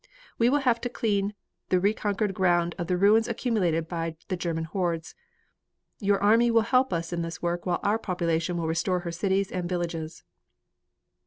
We will have to clean the reconquered ground of the ruins accumulated by the German hordes. Your army will help us in this work while our population will restore her cities and villages.